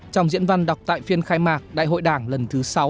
trong diễn văn đọc tại phiên khai mạc đại hội đảng lần thứ sáu